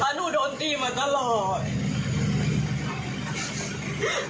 หนูโดนตีมาตลอด